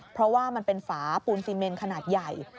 เพราะว่ามันเป็นฝาปูนซีเมนขนาดใหญ่